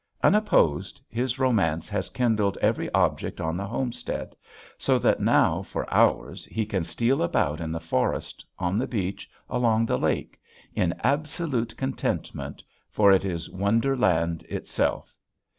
Unopposed, his romance has kindled every object on the homestead; so that now for hours he can steal about in the forest, on the beach, along the lake, in absolute contentment, for it is wonderland itself.